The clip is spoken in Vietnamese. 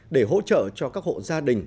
để hỗ trợ cho các hộ gia đình